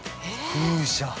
風車。